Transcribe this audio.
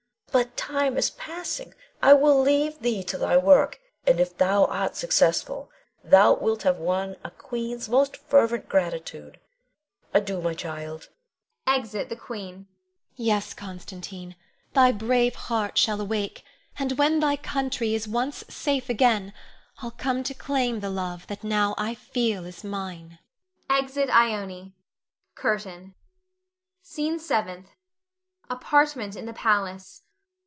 But time is passing. I will leave thee to thy work, and if thou art successful, thou wilt have won a queen's most fervent gratitude. Adieu, my child! [Exit The Queen. Ione. Yes, Constantine, thy brave heart shall awake; and when thy country is once safe again, I'll come to claim the love that now I feel is mine. [Exit Ione. CURTAIN. SCENE SEVENTH. [_Apartment in the palace.